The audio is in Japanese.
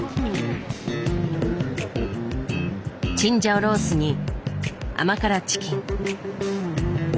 チンジャオロースーに甘辛チキン。